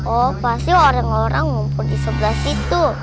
oh pasti orang orang ngumpul di sebelah situ